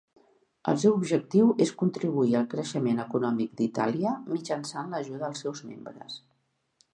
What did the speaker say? El seu objectiu és contribuir al creixement econòmic d'Itàlia mitjançant l'ajuda als seus membres.